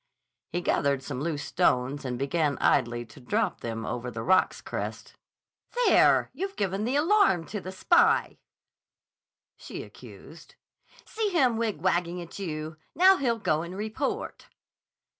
He gathered some loose stones and began idly to drop them over the rock's crest. "There! You've given the alarm to the spy," she accused. "See him wigwagging at you! Now he'll go and report."